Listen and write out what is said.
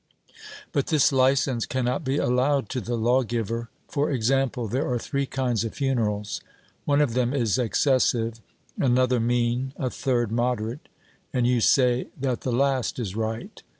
But this licence cannot be allowed to the lawgiver. For example, there are three kinds of funerals; one of them is excessive, another mean, a third moderate, and you say that the last is right.